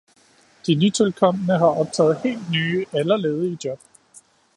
De nytilkomne har optaget helt nye eller ledige job.